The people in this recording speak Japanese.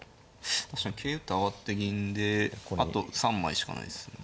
確かに桂打って上がって銀であと３枚しかないですよね。